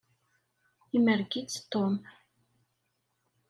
Imerreg-itt Tom.